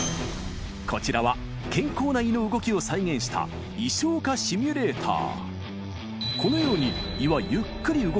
こちらは健康な胃の動きを再現した胃消化シミュレーター